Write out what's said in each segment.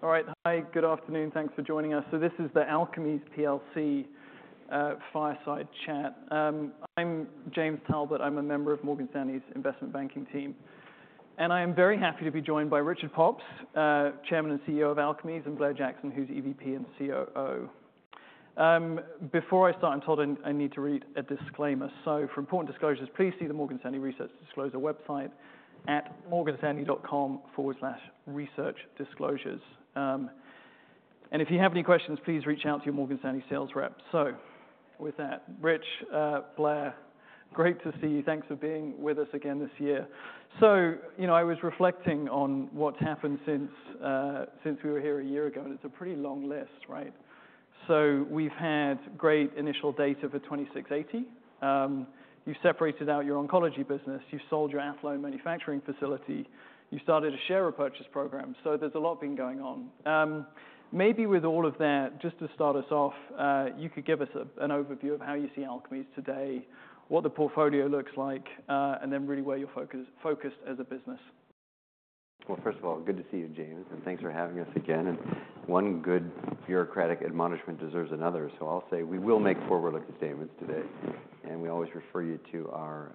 All right. Hi, good afternoon. Thanks for joining us. So this is the Alkermes PLC Fireside Chat. I'm James Talbot. I'm a member of Morgan Stanley's investment banking team, and I am very happy to be joined by Richard Pops, Chairman and CEO of Alkermes, and Blair Jackson, who's EVP and COO. Before I start, I'm told I need to read a disclaimer. So for important disclosures, please see the Morgan Stanley Research Disclosure website at morganstanley.com/researchdisclosures. And if you have any questions, please reach out to your Morgan Stanley sales rep. So with that, Rich, Blair, great to see you. Thanks for being with us again this year. So, you know, I was reflecting on what's happened since we were here a year ago, and it's a pretty long list, right? So we've had great initial data for ALK-2680. You've separated out your oncology business, you've sold your Athlone manufacturing facility, you started a share repurchase program, so there's a lot been going on. Maybe with all of that, just to start us off, you could give us an overview of how you see Alkermes today, what the portfolio looks like, and then really where you're focused as a business. First of all, good to see you, James, and thanks for having us again. One good bureaucratic admonishment deserves another, so I'll say we will make forward-looking statements today, and we always refer you to our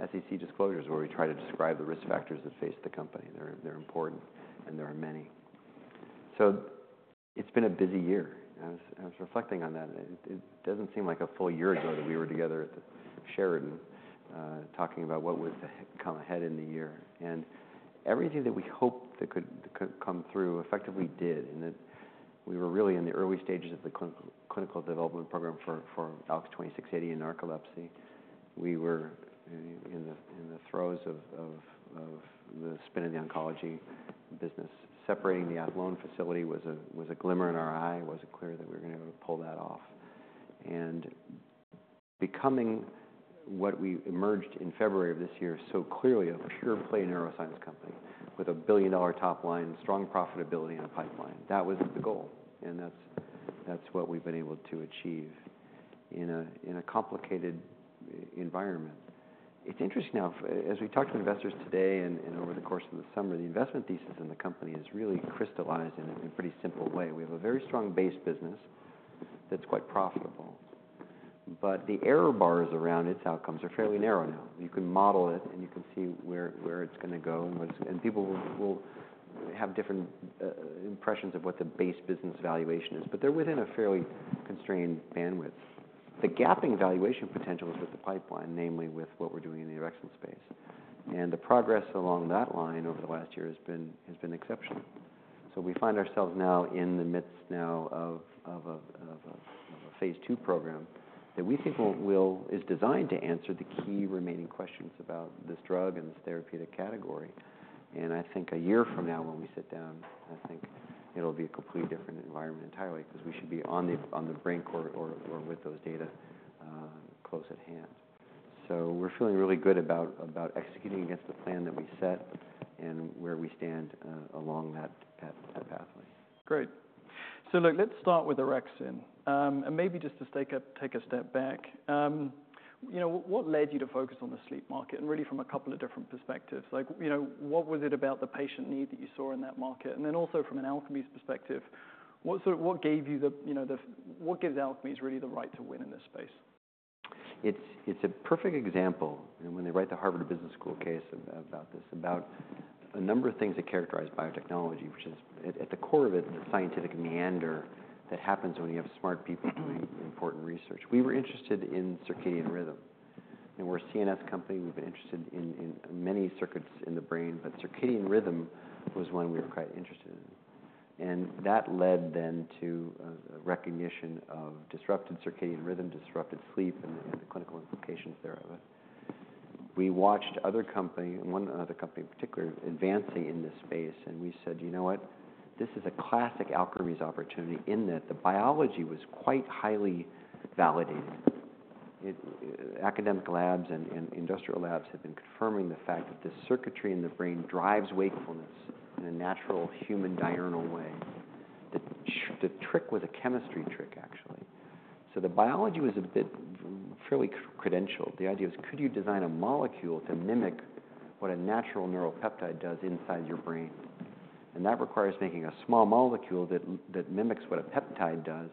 SEC disclosures, where we try to describe the risk factors that face the company. They're important, and there are many. It's been a busy year. I was reflecting on that, and it doesn't seem like a full year ago that we were together at the Sheraton, talking about what was to come ahead in the year. Everything that we hoped that could come through effectively did, and we were really in the early stages of the clinical development program for ALK-2680 and narcolepsy. We were in the throes of the spin in the oncology business. Separating the Athlone facility was a glimmer in our eye. It wasn't clear that we were going to be able to pull that off. And becoming what we emerged in February of this year, so clearly a pure-play neuroscience company with a billion-dollar top line, strong profitability, and a pipeline. That was the goal, and that's what we've been able to achieve in a complicated environment. It's interesting now, as we talk to investors today and over the course of the summer, the investment thesis in the company is really crystallized in a pretty simple way. We have a very strong base business that's quite profitable, but the error bars around its outcomes are fairly narrow now. You can model it, and you can see where it's going to go and what's and people will have different impressions of what the base business valuation is, but they're within a fairly constrained bandwidth. The gapping valuation potential is with the pipeline, namely with what we're doing in the rexin space, and the progress along that line over the last year has been exceptional. So we find ourselves now in the midst of a phase II program that we think will is designed to answer the key remaining questions about this drug and this therapeutic category. I think a year from now, when we sit down, I think it'll be a completely different environment entirely 'cause we should be on the brink or with those data close at hand. So we're feeling really good about executing against the plan that we set and where we stand along that path, that pathway. Great. So, look, let's start with Orexin. And maybe just to take a step back. You know, what led you to focus on the sleep market? And really from a couple of different perspectives. Like, you know, what was it about the patient need that you saw in that market? And then also from an Alkermes perspective, what gave you the, you know, what gives Alkermes really the right to win in this space? It's a perfect example, and when they write the Harvard Business School case about this, about a number of things that characterize biotechnology, which is at the core of it, the scientific meander that happens when you have smart people doing important research. We were interested in circadian rhythm, and we're a CNS company. We've been interested in many circuits in the brain, but circadian rhythm was one we were quite interested in. And that led then to a recognition of disrupted circadian rhythm, disrupted sleep, and the clinical implications thereof. We watched another company, one other company in particular, advancing in this space, and we said, "You know what? This is a classic Alkermes opportunity." In that the biology was quite highly validated. Academic labs and industrial labs have been confirming the fact that this circuitry in the brain drives wakefulness in a natural, human, diurnal way. The trick was a chemistry trick, actually. So the biology was a bit fairly credentialed. The idea was, could you design a molecule to mimic what a natural neuropeptide does inside your brain? And that requires making a small molecule that mimics what a peptide does,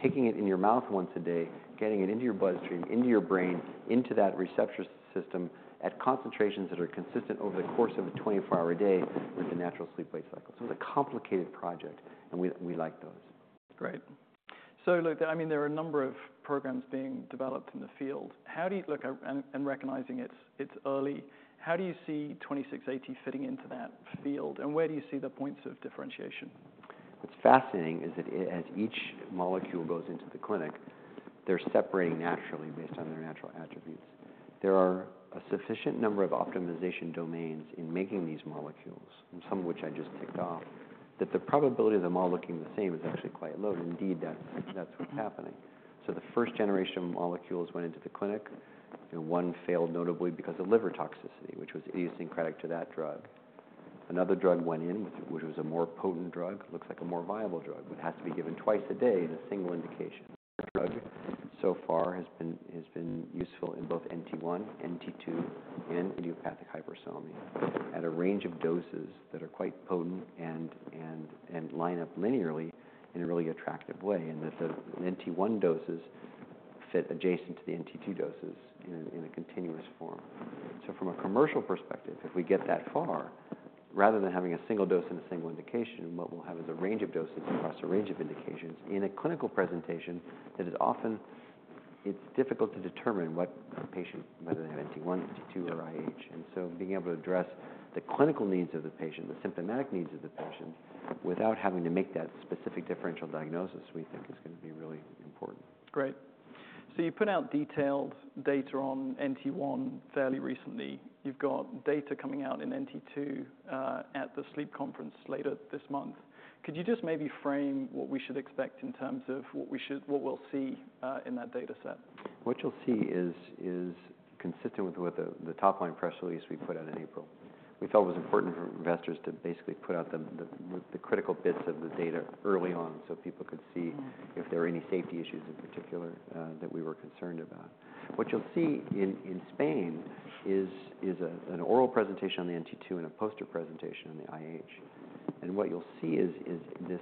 taking it in your mouth once a day, getting it into your bloodstream, into your brain, into that receptor system at concentrations that are consistent over the course of a twenty-four-hour day with the natural sleep-wake cycle. So it's a complicated project, and we like those. Great. So, look, I mean, there are a number of programs being developed in the field. How do you-- Look, and recognizing it's early, how do you see twenty-six eighty fitting into that field, and where do you see the points of differentiation? What's fascinating is that as each molecule goes into the clinic, they're separating naturally based on their natural attributes. There are a sufficient number of optimization domains in making these molecules, and some of which I just ticked off, that the probability of them all looking the same is actually quite low, and indeed, that's what's happening. So the first generation of molecules went into the clinic, and one failed, notably because of liver toxicity, which was idiosyncratic to that drug. Another drug went in, which was a more potent drug, looks like a more viable drug, but it has to be given twice a day in a single indication. The drug so far has been useful in both NT1, NT2, and idiopathic hypersomnia at a range of doses that are quite potent and line up linearly in a really attractive way. That the NT one doses fit adjacent to the NT two doses in a continuous form. From a commercial perspective, if we get that far, rather than having a single dose and a single indication, what we'll have is a range of doses across a range of indications. In a clinical presentation, that is often. It's difficult to determine what a patient, whether they have NT one, NT two, or IH. So being able to address the clinical needs of the patient, the symptomatic needs of the patient, without having to make that specific differential diagnosis, we think is going to be really important. Great. So you put out detailed data on NT1 fairly recently. You've got data coming out in NT2 at the sleep conference later this month. Could you just maybe frame what we should expect in terms of what we'll see in that data set? What you'll see is consistent with what the top-line press release we put out in April. We felt it was important for investors to basically put out the critical bits of the data early on, so people could see- Mm. If there were any safety issues in particular that we were concerned about. What you'll see in Spain is an oral presentation on the NT two and a poster presentation on the IH. What you'll see is this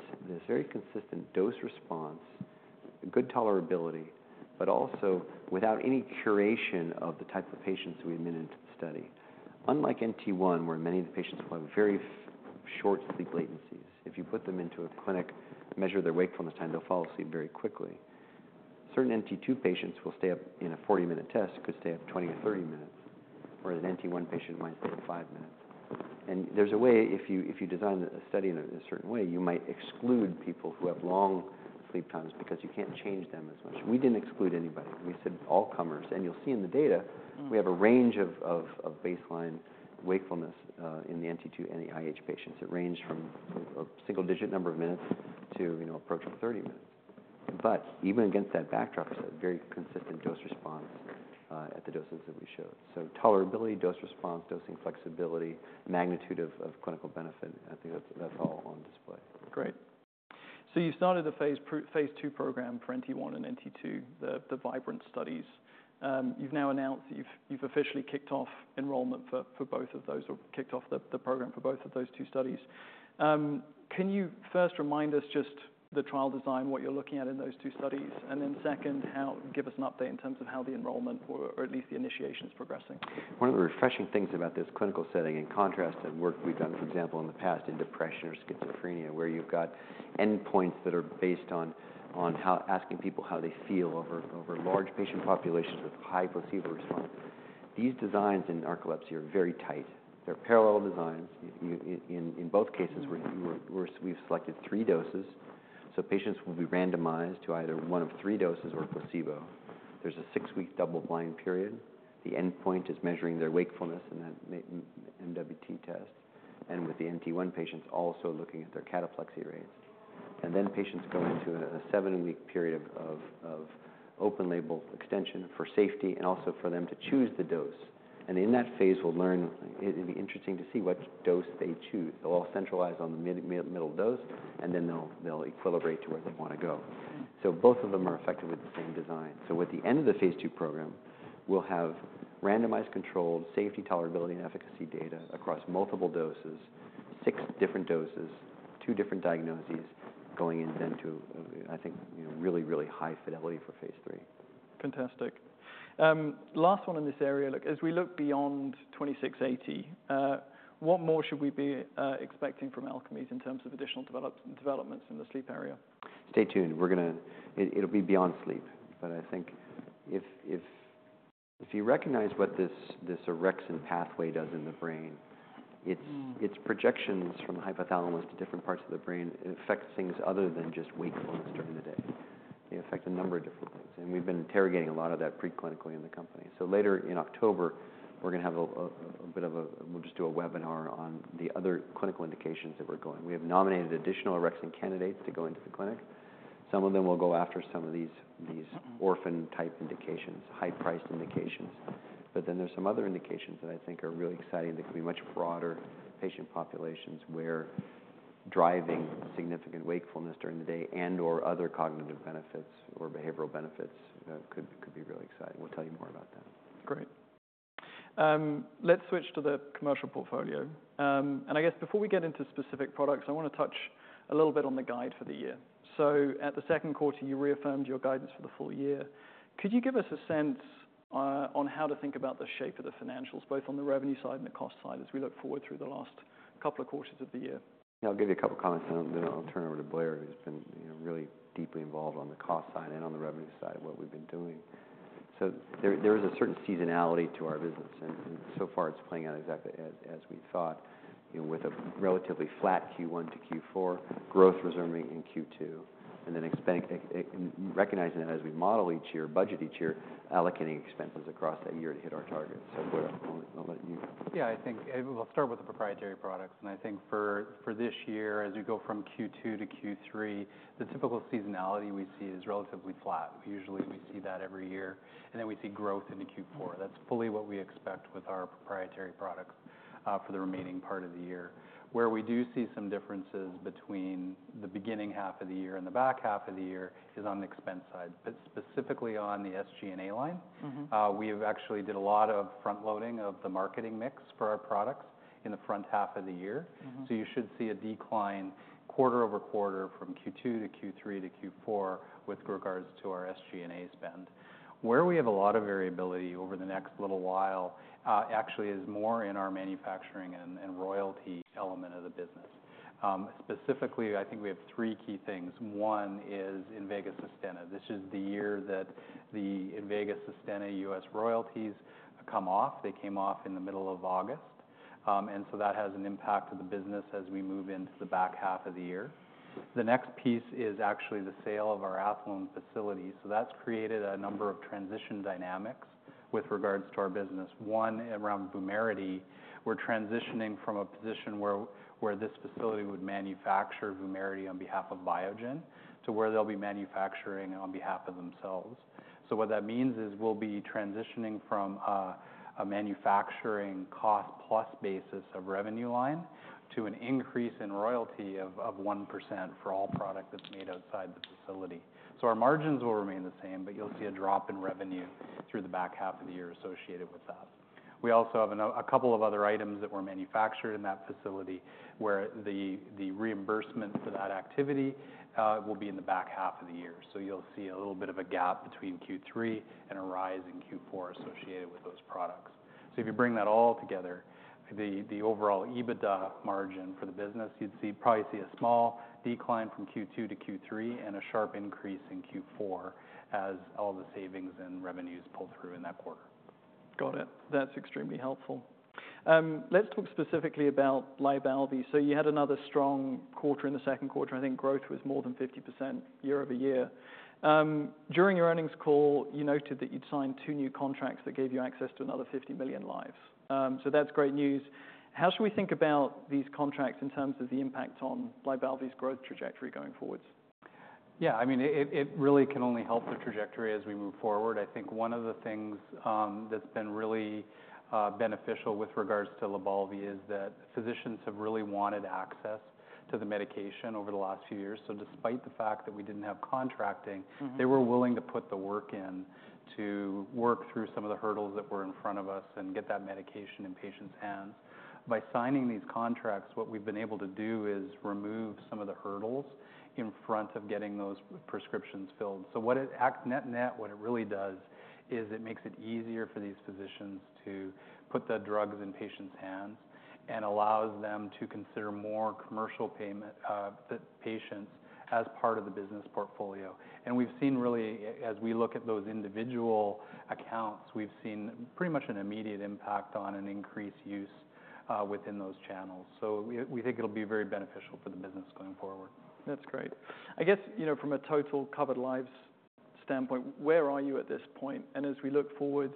very consistent dose response, good tolerability, but also without any curation of the type of patients we admitted into the study. Unlike NT one, where many of the patients will have very short sleep latencies. If you put them into a clinic to measure their wakefulness time, they'll fall asleep very quickly. Certain NT two patients will stay up, in a 40-minute test, could stay up 20 or 30 minutes, whereas an NT one patient might stay up 5 minutes. And there's a way, if you design a study in a certain way, you might exclude people who have long sleep times because you can't change them as much. We didn't exclude anybody. We said all comers. And you'll see in the data- Mm. We have a range of baseline wakefulness in the NT two and the IH patients. It ranged from a single-digit number of minutes to, you know, approaching thirty minutes. But even against that backdrop, a very consistent dose response at the doses that we showed. So tolerability, dose response, dosing flexibility, magnitude of clinical benefit, I think that's all on display. Great. So you started a phase two program for NT1 and NT2, the Vibrant studies. You've now announced you've officially kicked off enrollment for both of those, or kicked off the program for both of those two studies. Can you first remind us just the trial design, what you're looking at in those two studies? And then second, give us an update in terms of how the enrollment or at least the initiation is progressing. One of the refreshing things about this clinical setting, in contrast to work we've done, for example, in the past, in depression or schizophrenia, where you've got endpoints that are based on asking people how they feel over large patient populations with high placebo response. These designs in narcolepsy are very tight. They're parallel designs. In both cases, we've selected three doses, so patients will be randomized to either one of three doses or placebo. There's a six-week double-blind period. The endpoint is measuring their wakefulness in that MWT test, and with the NT1 patients, also looking at their cataplexy rates. And then, patients go into a seven-week period of open-label extension for safety and also for them to choose the dose. And in that phase, we'll learn. It'll be interesting to see which dose they choose. They'll all centralize on the middle dose, and then they'll equilibrate to where they want to go. So both of them are effectively the same design. So at the end of the phase two program, we'll have randomized controlled safety, tolerability, and efficacy data across multiple doses, six different doses, two different diagnoses, going in then to, I think, a really, really high fidelity for phase three. Fantastic. Last one in this area. Look, as we look beyond ALK-2680, what more should we be expecting from Alkermes in terms of additional developments in the sleep area? Stay tuned. We're gonna. It'll be beyond sleep, but I think if you recognize what this orexin pathway does in the brain- Mm... its projections from the hypothalamus to different parts of the brain, it affects things other than just wakefulness during the day. It affect a number of different things, and we've been interrogating a lot of that preclinically in the company. So later in October, we're gonna have a bit of a. We'll just do a webinar on the other clinical indications that we're going. We have nominated additional orexin candidates to go into the clinic. Some of them will go after some of these, these- Mm... orphan type indications, high-priced indications. But then there's some other indications that I think are really exciting, that could be much broader patient populations, where driving significant wakefulness during the day and/or other cognitive benefits or behavioral benefits, could be really exciting. We'll tell you more about that. Great. Let's switch to the commercial portfolio, and I guess before we get into specific products, I want to touch a little bit on the guidance for the year, so at the second quarter, you reaffirmed your guidance for the full year. Could you give us a sense on how to think about the shape of the financials, both on the revenue side and the cost side, as we look forward through the last couple of quarters of the year? I'll give you a couple comments, and then I'll turn it over to Blair, who's been, you know, really deeply involved on the cost side and on the revenue side of what we've been doing. So there is a certain seasonality to our business, and so far, it's playing out exactly as we thought. You know, with a relatively flat Q1 to Q4 growth resuming in Q2, and then expenses and recognizing that as we model each year, budget each year, allocating expenses across that year to hit our targets. So Blair, why don't... Yeah, I think we'll start with the proprietary products, and I think for this year, as we go from Q2 to Q3, the typical seasonality we see is relatively flat. Usually, we see that every year, and then we see growth into Q4. That's fully what we expect with our proprietary products for the remaining part of the year. Where we do see some differences between the beginning half of the year and the back half of the year is on the expense side, but specifically on the SG&A line. Mm-hmm. We've actually did a lot of front loading of the marketing mix for our products in the front half of the year. Mm-hmm. So you should see a decline quarter over quarter from Q2 to Q3 to Q4 with regards to our SG&A spend. Where we have a lot of variability over the next little while, actually is more in our manufacturing and royalty element of the business. Specifically, I think we have three key things. One is Invega Sustenna. This is the year that the Invega Sustenna U.S. royalties come off. They came off in the middle of August, and so that has an impact on the business as we move into the back half of the year. The next piece is actually the sale of our Athlone facility, so that's created a number of transition dynamics with regards to our business. One, around Vumerity, we're transitioning from a position where this facility would manufacture Vumerity on behalf of Biogen to where they'll be manufacturing on behalf of themselves. So what that means is, we'll be transitioning from a manufacturing cost plus basis of revenue line to an increase in royalty of 1% for all product that's made outside the facility. So our margins will remain the same, but you'll see a drop in revenue through the back half of the year associated with that. We also have a couple of other items that were manufactured in that facility, where the reimbursement for that activity will be in the back half of the year. So you'll see a little bit of a gap between Q3 and a rise in Q4 associated with those products. So if you bring that all together, the overall EBITDA margin for the business, you'd probably see a small decline from Q2 to Q3 and a sharp increase in Q4 as all the savings and revenues pull through in that quarter. Got it. That's extremely helpful. Let's talk specifically about Lybalvi. So you had another strong quarter in the second quarter. I think growth was more than 50% year over year. During your earnings call, you noted that you'd signed two new contracts that gave you access to another 50 million lives. So that's great news. How should we think about these contracts in terms of the impact on Lybalvi's growth trajectory going forward? Yeah, I mean, it really can only help the trajectory as we move forward. I think one of the things that's been really beneficial with regards to Lybalvi is that physicians have really wanted access to the medication over the last few years. So despite the fact that we didn't have contracting- Mm-hmm ...they were willing to put the work in to work through some of the hurdles that were in front of us and get that medication in patients' hands. By signing these contracts, what we've been able to do is remove some of the hurdles in front of getting those prescriptions filled. So at net net, what it really does is it makes it easier for these physicians to put the drugs in patients' hands and allows them to consider more commercial payment, the patients as part of the business portfolio. And we've seen really, as we look at those individual accounts, we've seen pretty much an immediate impact on an increased use within those channels. So we think it'll be very beneficial for the business going forward. That's great. I guess, you know, from a total covered lives standpoint, where are you at this point? And as we look forward,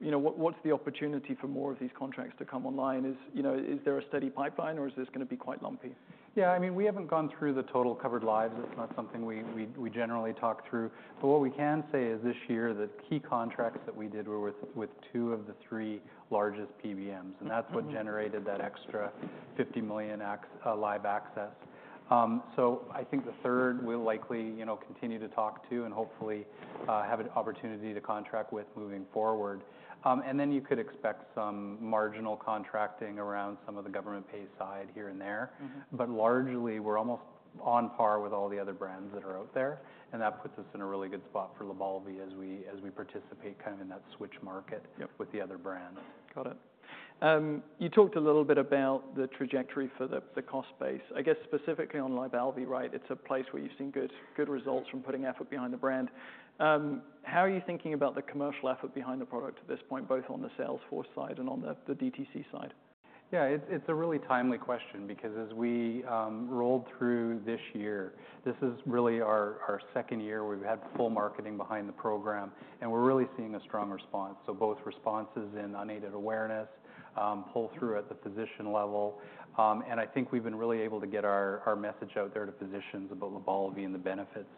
you know, what, what's the opportunity for more of these contracts to come online? Is, you know, is there a steady pipeline or is this gonna be quite lumpy? Yeah, I mean, we haven't gone through the total covered lives. It's not something we generally talk through, but what we can say is this year, the key contracts that we did were with two of the three largest PBMs, and that's what generated that extra 50 million additional lives access. So I think the third will likely, you know, continue to talk to and hopefully have an opportunity to contract with moving forward. And then you could expect some marginal contracting around some of the government pay side here and there. Mm-hmm. But largely, we're almost on par with all the other brands that are out there, and that puts us in a really good spot for Lybalvi as we participate kind of in that switch market- Yep... with the other brands. Got it. You talked a little bit about the trajectory for the cost base. I guess, specifically on Lybalvi, right? It's a place where you've seen good results from putting effort behind the brand. How are you thinking about the commercial effort behind the product at this point, both on the sales force side and on the DTC side? Yeah, it's a really timely question because as we rolled through this year, this is really our second year we've had full marketing behind the program, and we're really seeing a strong response. So both responses in unaided awareness, pull through at the physician level, and I think we've been really able to get our message out there to physicians about Lybalvi and the benefits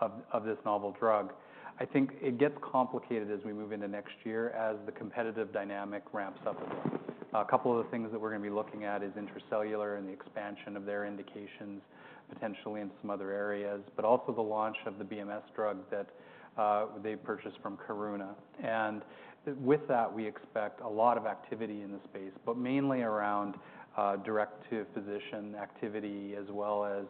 of this novel drug. I think it gets complicated as we move into next year as the competitive dynamic ramps up a lot. A couple of the things that we're gonna be looking at is Intra-Cellular and the expansion of their indications, potentially in some other areas, but also the launch of the BMS drug that they purchased from Karuna. And with that, we expect a lot of activity in the space, but mainly around direct-to-physician activity, as well as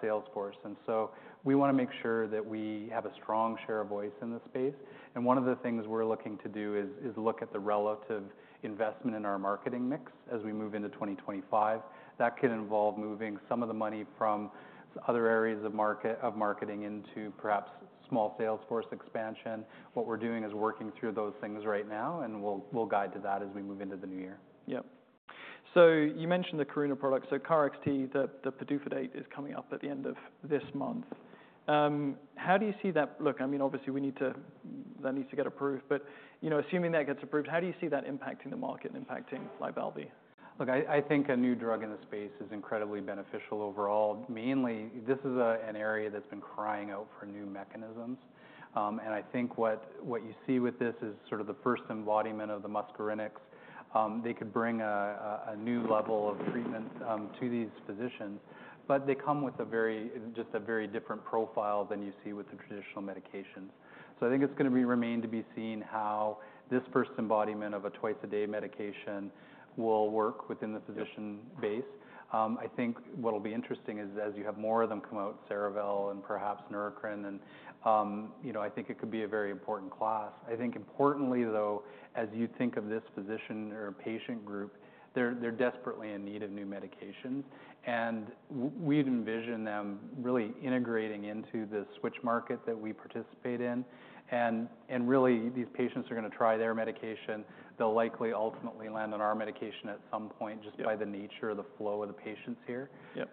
sales force. And so we wanna make sure that we have a strong share of voice in this space, and one of the things we're looking to do is look at the relative investment in our marketing mix as we move into twenty twenty-five. That could involve moving some of the money from other areas of market, of marketing into perhaps small sales force expansion. What we're doing is working through those things right now, and we'll guide to that as we move into the new year. So you mentioned the Karuna product. So KarXT, the PDUFA date is coming up at the end of this month. How do you see that? Look, I mean, obviously, we need to, that needs to get approved, but, you know, assuming that gets approved, how do you see that impacting the market and impacting Lybalvi? Look, I think a new drug in the space is incredibly beneficial overall. Mainly, this is an area that's been crying out for new mechanisms. And I think what you see with this is sort of the first embodiment of the muscarinic. They could bring a new level of treatment to these physicians, but they come with a very, just a very different profile than you see with the traditional medications, so I think it's gonna be remain to be seen how this first embodiment of a twice-a-day medication will work within the physician base. I think what will be interesting is, as you have more of them come out, Cerevel and perhaps Neurocrine, and you know, I think it could be a very important class. I think importantly, though, as you think of this physician or patient group, they're desperately in need of new medications, and we'd envision them really integrating into the switch market that we participate in. And really, these patients are gonna try their medication. They'll likely ultimately land on our medication at some point- Yeah... just by the nature of the flow of the patients here. Yep.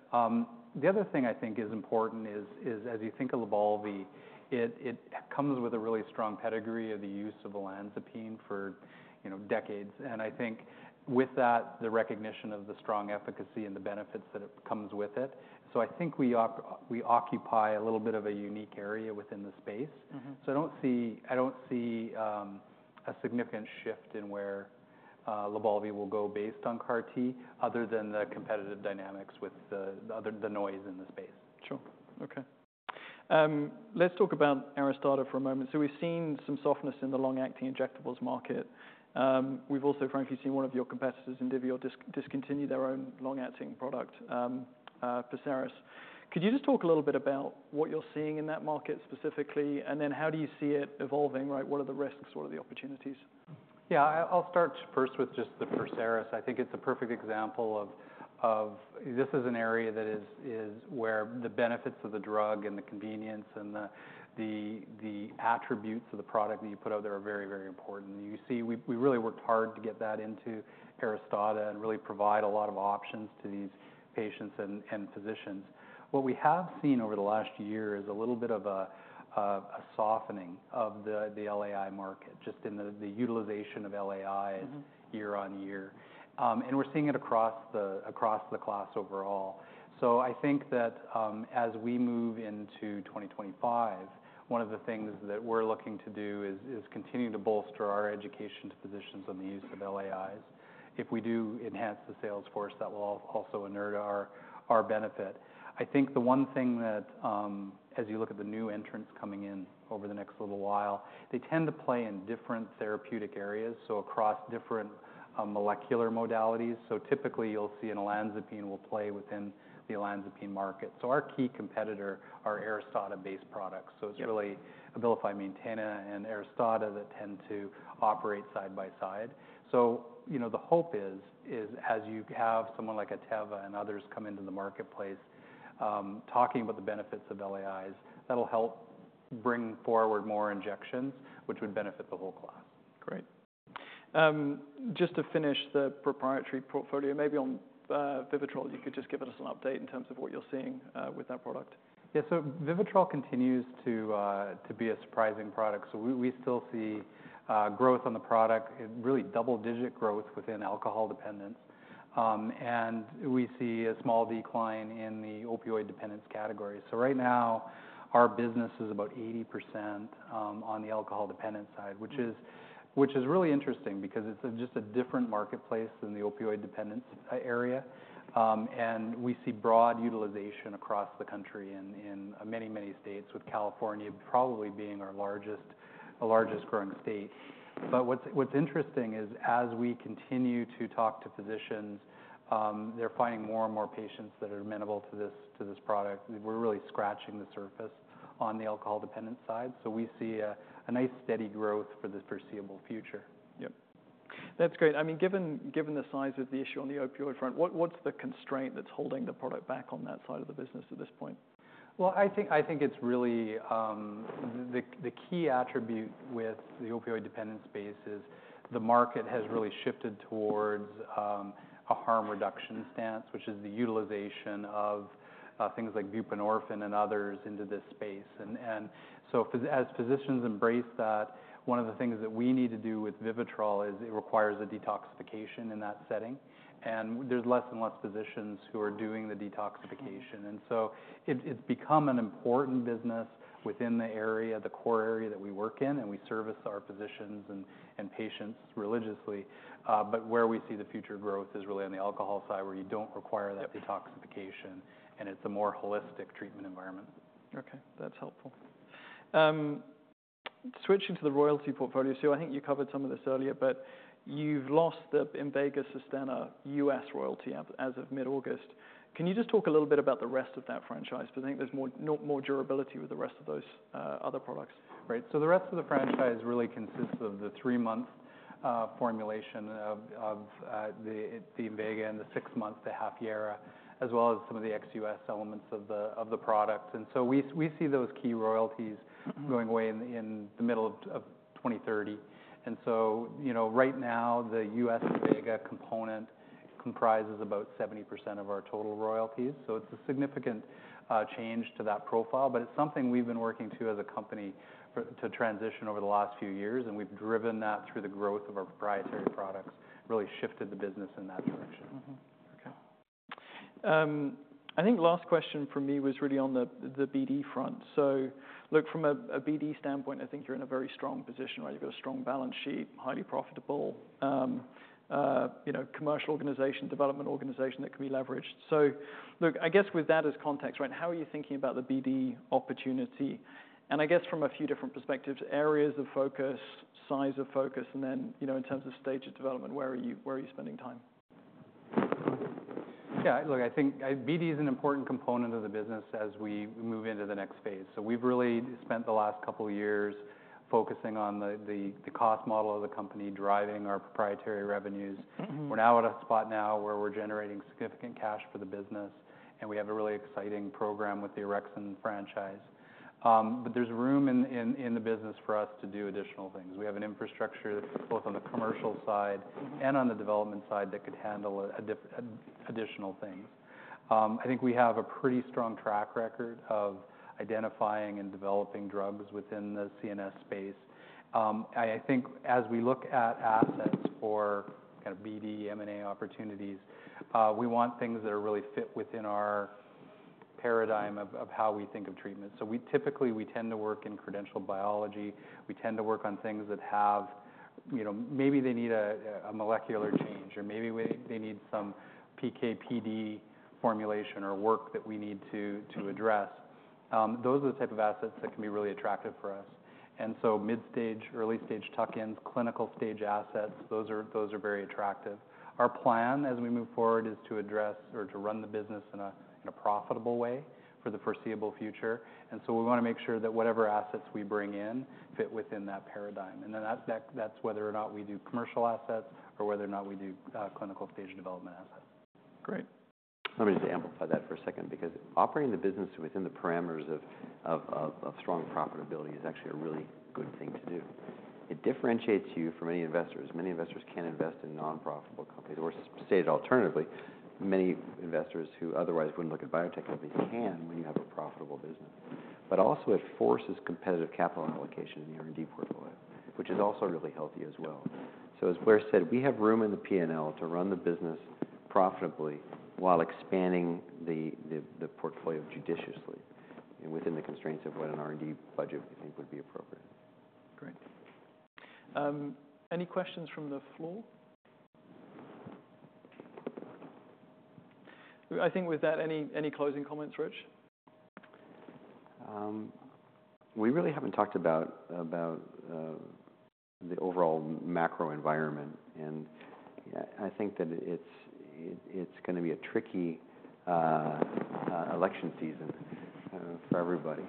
The other thing I think is important is as you think of Lybalvi, it comes with a really strong pedigree of the use of olanzapine for, you know, decades. And I think with that, the recognition of the strong efficacy and the benefits that it comes with it. So I think we occupy a little bit of a unique area within the space. Mm-hmm. I don't see a significant shift in where Lybalvi will go based on KarXT, other than the competitive dynamics with the noise in the space. Sure. Okay. Let's talk about Aristada for a moment. So we've seen some softness in the long-acting injectables market. We've also frankly seen one of your competitors, Indivior, discontinue their own long-acting product, Perseris. Could you just talk a little bit about what you're seeing in that market specifically, and then how do you see it evolving, right? What are the risks? What are the opportunities? Yeah, I, I'll start first with just the Perseris. I think it's a perfect example of... This is an area that is where the benefits of the drug and the convenience and the attributes of the product that you put out there are very, very important. You see, we really worked hard to get that into Aristada and really provide a lot of options to these patients and physicians. What we have seen over the last year is a little bit of a softening of the LAI market, just in the utilization of LAIs- Mm-hmm... year on year. And we're seeing it across the class overall. So I think that, as we move into twenty twenty-five, one of the things that we're looking to do is continue to bolster our education to physicians on the use of LAIs. If we do enhance the sales force, that will also inure to our benefit. I think the one thing that, as you look at the new entrants coming in over the next little while, they tend to play in different therapeutic areas, so across different molecular modalities. So typically, you'll see an olanzapine will play within the olanzapine market. So our key competitor are Aristada-based products. Yep. So it's really Abilify Maintena and Aristada that tend to operate side by side. So, you know, the hope is as you have someone like Teva and others come into the marketplace, talking about the benefits of LAIs, that'll help bring forward more injections, which would benefit the whole class. Great. Just to finish the proprietary portfolio, maybe on Vivitrol, you could just give us an update in terms of what you're seeing with that product? Yeah. So Vivitrol continues to be a surprising product, so we still see growth on the product, it really double-digit growth within alcohol dependence. And we see a small decline in the opioid dependence category. So right now, our business is about 80% on the alcohol dependence side, which is really interesting because it's just a different marketplace than the opioid dependence area. And we see broad utilization across the country and in many states, with California probably being our largest, the largest growing state. But what's interesting is, as we continue to talk to physicians, they're finding more and more patients that are amenable to this product. We're really scratching the surface on the alcohol dependence side, so we see a nice, steady growth for the foreseeable future. Yep. That's great. I mean, given the size of the issue on the opioid front, what's the constraint that's holding the product back on that side of the business at this point? I think it's really the key attribute with the opioid dependence space is the market has really shifted towards a harm reduction stance, which is the utilization of things like buprenorphine and others into this space. And so as physicians embrace that, one of the things that we need to do with Vivitrol is it requires a detoxification in that setting, and there's less and less physicians who are doing the detoxification. And so it's become an important business within the area, the core area that we work in, and we service our physicians and patients religiously. But where we see the future growth is really on the alcohol side, where you don't require- Yep... that detoxification, and it's a more holistic treatment environment. Okay, that's helpful. Switching to the royalty portfolio. So I think you covered some of this earlier, but you've lost the Invega Sustenna US royalty as of mid-August. Can you just talk a little bit about the rest of that franchise? Do you think there's more durability with the rest of those other products? Right. So the rest of the franchise really consists of the three-month formulation of the Invega and the six months, the Hafyera, as well as some of the ex-US elements of the product. And so we see those key royalties- Mm-hmm... going away in the middle of 2030. And so, you know, right now, the Invega component comprises about 70% of our total royalties, so it's a significant change to that profile. But it's something we've been working to as a company to transition over the last few years, and we've driven that through the growth of our proprietary products, really shifted the business in that direction. Mm-hmm. Okay. I think last question from me was really on the BD front. So look, from a BD standpoint, I think you're in a very strong position, right? You've got a strong balance sheet, highly profitable, you know, commercial organization, development organization that can be leveraged. So look, I guess with that as context, right, how are you thinking about the BD opportunity? And I guess from a few different perspectives, areas of focus, size of focus, and then, you know, in terms of stage of development, where are you spending time? Yeah, look, I think, BD is an important component of the business as we move into the next phase. So we've really spent the last couple of years focusing on the cost model of the company, driving our proprietary revenues. Mm-hmm. We're now at a spot where we're generating significant cash for the business, and we have a really exciting program with the Orexin franchise. But there's room in the business for us to do additional things. We have an infrastructure that's both on the commercial side and on the development side that could handle additional things. I think we have a pretty strong track record of identifying and developing drugs within the CNS space. I think as we look at assets for kind of BD, M&A opportunities, we want things that are really fit within our paradigm of how we think of treatment. So we typically, we tend to work in credible biology. We tend to work on things that have, you know, maybe they need a molecular change, or maybe they need some PK/PD formulation or work that we need to address. Those are the type of assets that can be really attractive for us, and so mid stage, early stage tuck-ins, clinical stage assets, those are very attractive. Our plan as we move forward is to address or to run the business in a profitable way for the foreseeable future, and so we wanna make sure that whatever assets we bring in fit within that paradigm, and then that's whether or not we do commercial assets or whether or not we do clinical stage development assets. Great. Let me just amplify that for a second, because operating the business within the parameters of strong profitability is actually a really good thing to do. It differentiates you from many investors. Many investors can't invest in non-profitable companies, or to state it alternatively, many investors who otherwise wouldn't look at biotech companies can when you have a profitable business. But also it forces competitive capital allocation in the R&D portfolio, which is also really healthy as well. So as Blair said, we have room in the P&L to run the business profitably while expanding the portfolio judiciously and within the constraints of what an R&D budget, we think would be appropriate. Great. Any questions from the floor? I think with that, any closing comments, Rich? We really haven't talked about the overall macro environment, and I think that it's gonna be a tricky election season for everybody.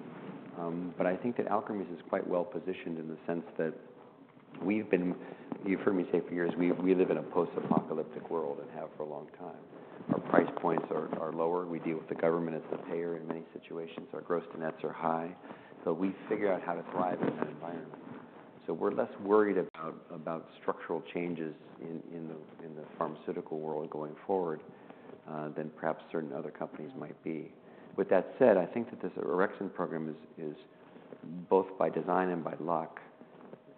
But I think that Alkermes is quite well positioned in the sense that we've been... You've heard me say for years, we live in a post-apocalyptic world and have for a long time. Our price points are lower. We deal with the government as the payer in many situations. Our gross-to-nets are high, so we figure out how to thrive in that environment. So we're less worried about structural changes in the pharmaceutical world going forward than perhaps certain other companies might be. With that said, I think that this Orexin program is both by design and by luck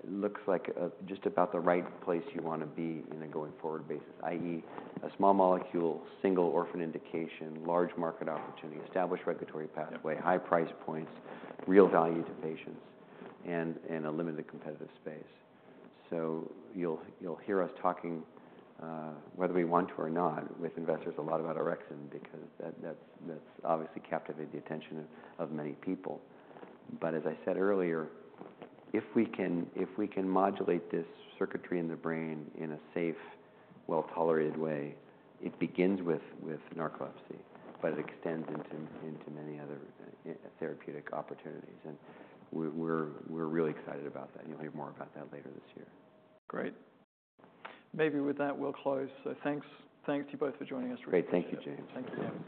looks like just about the right place you wanna be in a going forward basis. I.e., a small molecule, single orphan indication, large market opportunity, established regulatory pathway- Yep. High price points, real value to patients, and a limited competitive space. So you'll hear us talking, whether we want to or not, with investors, a lot about Orexin, because that's obviously captivated the attention of many people. But as I said earlier, if we can modulate this circuitry in the brain in a safe, well-tolerated way, it begins with narcolepsy, but it extends into many other therapeutic opportunities. And we're really excited about that, and you'll hear more about that later this year. Great. Maybe with that, we'll close. So thanks, thank you both for joining us. Great. Thank you, James. Thank you.